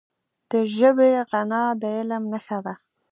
د ژبي غنا د علم نښه ده.